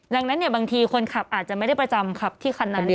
ดังนั้นบางทีคนขับอาจจะไม่ได้ประจำขับที่คันนั้น